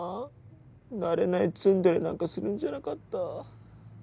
慣れない「ツンデレ」なんかするんじゃなかった